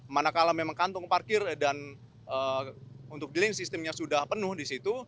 mana kalah memang kantong parkir dan untuk delaying systemnya sudah penuh di situ